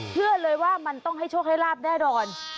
เชื่อเลยว่ามันต้องให้โชคให้ลาบแน่นอน